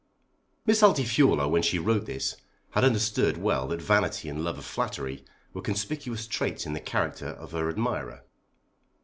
Miss Altifiorla when she wrote this had understood well that vanity and love of flattery were conspicuous traits in the character of her admirer.